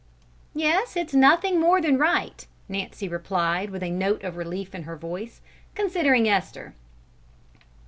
"Yes, it's nothing more than right," Nancy replied, with a note of relief in her voice, "considering Esther."